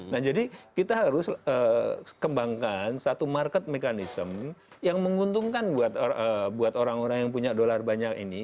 nah jadi kita harus kembangkan satu market mechanism yang menguntungkan buat orang orang yang punya dolar banyak ini